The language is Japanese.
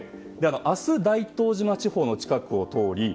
明日、大東島地方の近くを通り